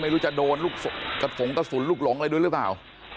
ไม่รู้จะโดนลูกกระสงกระสุนลูกหลงอะไรด้วยหรือเปล่า